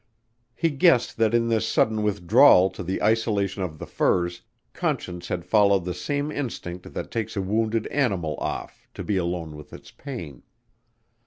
He guessed that in this sudden withdrawal to the isolation of the firs, Conscience had followed the same instinct that takes a wounded animal off, to be alone with its pain.